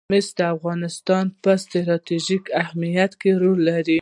مس د افغانستان په ستراتیژیک اهمیت کې رول لري.